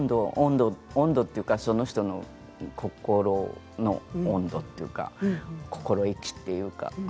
温度というか、その人の心の温度というか心意気というか。